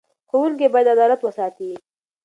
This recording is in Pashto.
ښوونکي باید عدالت وساتي.